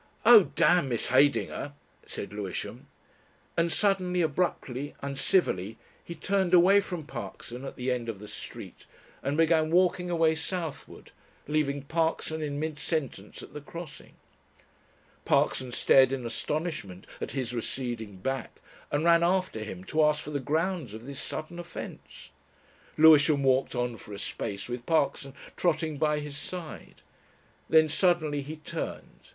"Oh, damn Miss Heydinger!" said Lewisham, and suddenly, abruptly, uncivilly, he turned away from Parkson at the end of the street and began walking away southward, leaving Parkson in mid sentence at the crossing. Parkson stared in astonishment at his receding back and ran after him to ask for the grounds of this sudden offence. Lewisham walked on for a space with Parkson trotting by his side. Then suddenly he turned.